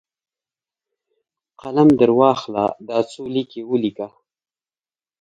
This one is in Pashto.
قلم درواخله ، دا څو لیکي ولیکه!